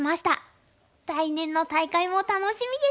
来年の大会も楽しみですね。